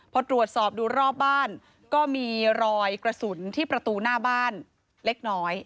พอตรวจสอบดูรอบบ้านก็มีรอยกระสุนที่ประตูหน้าบ้านเล็กน้อย